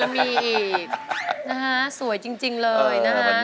นะฮะสวยจริงเลยนะฮะ